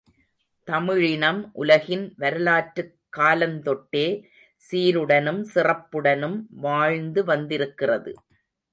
தமிழினம் உலகின் வரலாற்றுக் காலந்தொட்டே சீருடனும் சிறப்புடனும் வாழ்ந்து வந்திருக்கிறது.